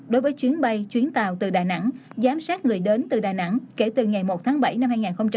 đối với chuyến bay chuyến tàu từ đà nẵng giám sát người đến từ đà nẵng kể từ ngày một tháng bảy năm hai nghìn hai mươi